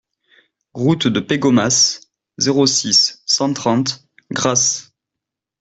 Route de Pégomas, zéro six, cent trente Grasse